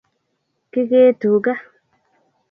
kikee tuga